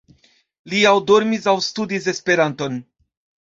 Li aŭ dormis aŭ studis Esperanton.